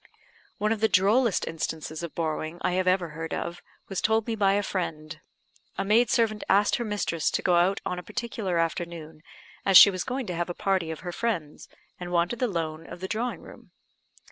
One of the drollest instances of borrowing I have ever heard of was told me by a friend. A maid servant asked her mistress to go out on a particular afternoon, as she was going to have a party of her friends, and wanted the loan of the drawing room.